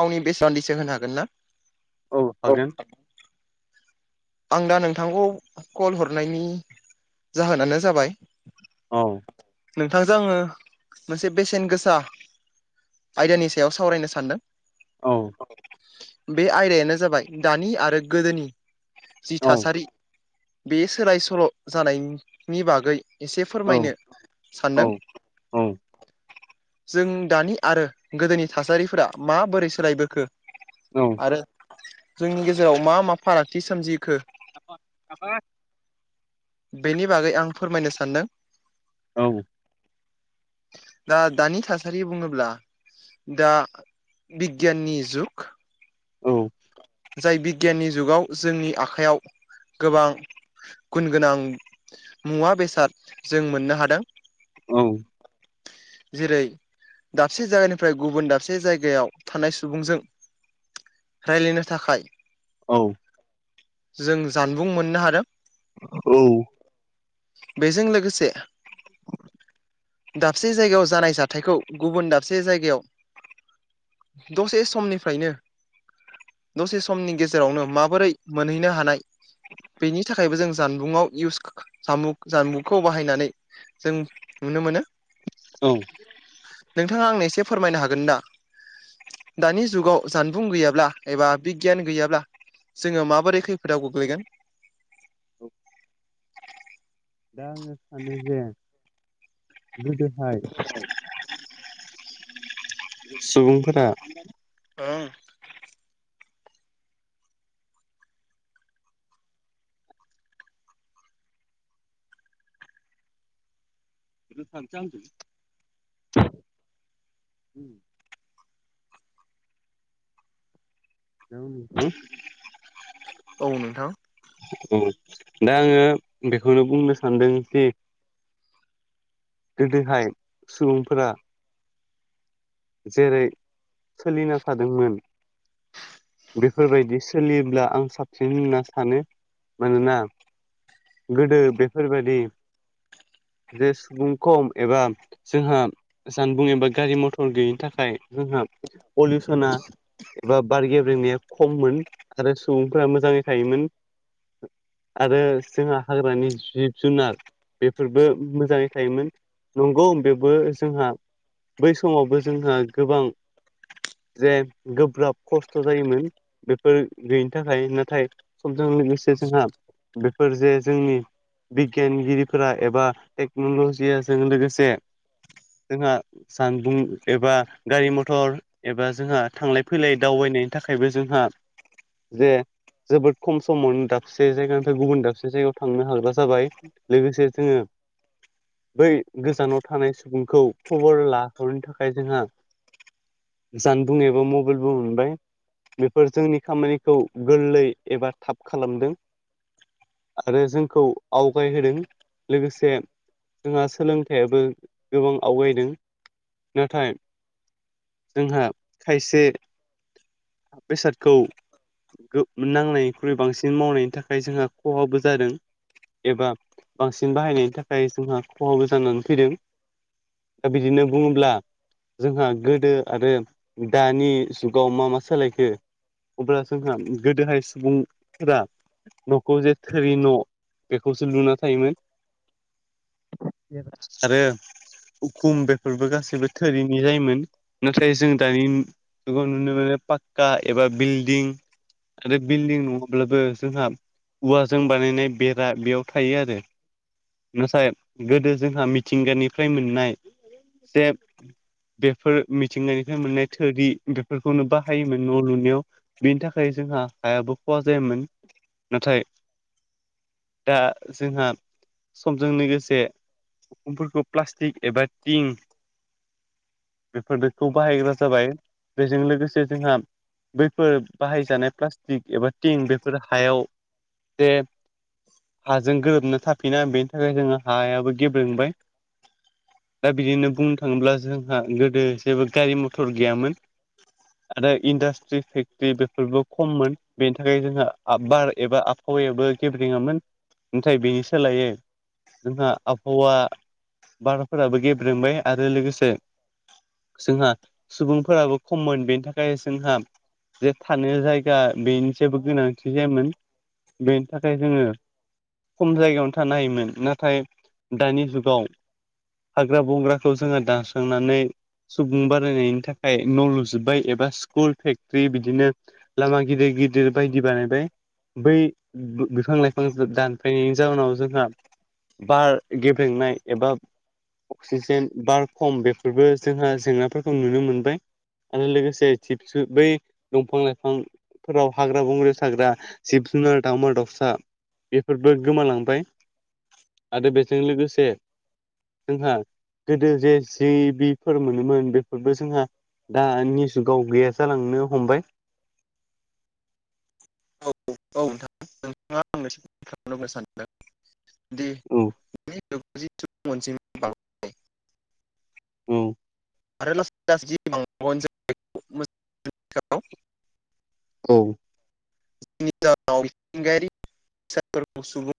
गावनि बेसेबां दिस होनो हागोन ना? औ हागोन। आं दा नोंथांखौ कल हरनायनि जाहोनानो जाबाय औ नोंथांजों आङो मोनसे बेसेन गोसा आयदानि सायाव सावरायनो सानदों। औ बे आयदायानो जाबाय दानि आरो गोदोनि जि औ थासारि बे सोलाय सोल' जानायनि बागै एसे औ फोरमायनो औ सानदों। औ जों दानि आरो गोदोनि थासारिफोरा माबोरै सोलायबोखो औ। आरो जोंनि गेजेराव मा मा फारागथि सोमजिखो अ आबा बेनि बागै आं फोरमायनो सानदों। औ। दा दानि थासारि बुङोब्ला दा बिगियाननि जुग। जाय बिगियाननि जुगाव जोंनि आखाइयाव गोबां गुन गोनां मुवा बेसाद जों मोननो हादों। औ जेरै दाबसे जायगानिफ्राय गुबुन दाबसे जायगायाव थानाय सुबुंजों रायलायनो थाखाय औ जों जानबुं मोननो हादों। औ बेजों लोगोसे दाबसे जायगायाव जानाय जाथायखौ गुबुन दाबसे जायगायाव दसे समनिफ्रायनो दसे समनि गेजेरावनो माबोरै मोनहैनो हानाय बेनि थाखायबो जों जानबुंआव इउस जानबुं जानबुंखौ बाहायनानै जों नुनो मोनो। औ नोंथांङा आंनो एसे फोरमायनो हागोन ना दा? ब्ला एबा बिगियान गैयाब्ला जोंङो माबोरै खैफोदाव गोग्लैगोन। दा आंङो सानो जे गोदोहाय सुबुंफोरा [unintelligible] [unintelligible] [unintelligible] औ नोंथां। औ दा आंङो बेखौनो बुंनो सानदोंदि गोदोहाय सुबुंफोरा जेरै सोलिना थादोंमोन। बेफोरबायदि सोलियोब्ला आं साबसिन होनना सानो मानोना गोदो बेफोरबायदि जे सुबुं खम एबा जोंहा जानबुं एबा गारि मथर [unintelligible] गैयिनि थाखाय जोंहा पलिउसना बा बार गेब्रेंनाया खममोन आरो सुबुंफोरा मोजांङै थायोमोन। आरो जोंहा हाग्रानि जिब जुनार बेफोरबो मोजांङै थायोमोन नंगौ बेबो जोंहा बै समावबो जोंहा गोबां जे गोब्राब खस्थ जायोमोन बेफोर गैयिनि थाखाय नाथाय समजों लोगोसे जोंहा बेफोर जे जोंनि बिगियानगिरिफोरा एबा टेक्नलजिआ जों लोगोसे जोंहा सानबुं एबा गारि मथर एबा जोंहा थांलाय फैलाय दावबायनायनि थाखायबो जोंहा जे जोबोद खम समावनो दाबसे जायगानिफ्राय गुबुन दाबसे जायगायाव थांनो हाग्रा जाबाय लोगोसे जोंङो बै गोजानाव थानाय सुबुंखौ खबर ला हरनि थाखाय जोंहा जानबुं एबा मबाइलबो मोनबाय। बेफोर जोंनि खामानिखौ गोरलै एबा थाब खालामदों। आरो जोंखौ आवगायहोदों लोगोसे जोंहा सोलोंथाइयाबो गोबां आवगायदों। नाथाय जोंहा खायसे बेसादखौ गोब नांनायनिख्रुइ बांसिन मावनायनि थाखाय जोंहा खहाबो जादों। एबा बांसिन बाहायनायनि थाखाय जोंहा खहाबो जानानै फैदों। दा बिदिनो बुंङोब्ला जोंहा गोदो आरो दानि जुगाव मा मा सोलायखो अब्ला जोंहा गोदोहाय सुबुंफोरा न'खौ जे थोरि न' बेखौसो लुना थायोमोन आरो उखुम बे फोरबो गासैबो थोरिनि जायोमोन नाथाय जों दानि जुगाव नुनो मोनो पाक्का एबा बिल्डिं आरो बिल्डिं नङाब्लाबो जोंहा औवाजों बानायनाय बेरा बेयाव थायो आरो नाथाय गोदो जोंहा मिथिंगानिफ्राय मोननाय [unintelligible] बेफोर मिथिंगानिफ्राय मोननाय थोरि बेफोरखौनो बाहायोमोन न' लुनायाव बेनि थाखाय जोंहा हायाबो खहा जायामोन नाथाय दा जोंहा समजों लोगोसे उखुम फोरखौ प्लास्टिक एबा तिं बेफोर बेखौ बाहायग्रा जाबाय बेजों लोगोसे जोंहा बैफोर बाहायजानाय प्लास्टिक एबा थिं बेफोर हायाव जे हाजों गोरोबनो थाफिना बेनि थाखाय जोङो हायाबो गेब्लेंबाय दा बिदिनो बुंनो थाङोब्ला जोंहा गोदो जेबो गारि मथर गैयामोन। आरो इन्डास्ट्रि फेक्ट्रि बेफोरबो खममोन बेनि थाखाय जोंहा आबार एबा आबहावायाबो गेब्रेङामोन नाथाय बेनि सोलायै जोंहा आबहावा बाराफोराबो गेब्रेंबाय आरो लोगोसे जोंहा सुबुंफोराबो खममोन बेनि थाखाय जोंहा जे थानो जायगा बेनि जेबो गोनांथि जायामोन बेनि थाखाय जोङो खम जायगायावनो थानो हायोमोन नाथाय दानि जुगाव हाग्रां बंग्रा खौ जोङो दास्रांनानै सुबुं बारायनायनि थाखाय न' लुजोब्बाय एबा स्कुल फेक्ट्रि बिदिनो लामा गिदिर गिदिर बायदि बानायबाय बै बिफांं लाइफां दानफायनायनि जाउनाव जोंहा बार गेब्लेंनाय एबा अक्सिजेन बार खम बेफोरबो जोंहा जेंनाफोरखौ नुनो मोनबाय आरो लोगोसे टिपस बै दंफां लाइफां फोराव हाग्रा बंग्रा थाग्रा जिबं जुनार, दावउमा दाउसा बेफोरबो गोमालांबाय आरो बेजों लोगोसे जोंहा गोदो जे जिबिफोर मोनोमोन बेफोरबो जोंहा दा निजुगाव गैया जालांनो हमबाय। औ औ नोंथां नोंथाङा आं एसे खालाम सानदों दि औ। जि सुबुं अनजिमा बांनाय औ। आरो लासै लासै [unintelligible] औ। [unintelligible] मिथिंगायारि [unintelligible] सुबुं